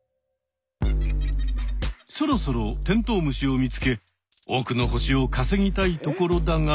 そろそろテントウムシを見つけ多くの星をかせぎたいところだが。